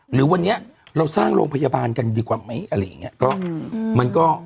หรือวันนี้เราสร้างโรงพยาบาลกันดีกว่าไหม